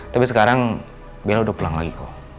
tapi sekarang bella udah pulang lagi kok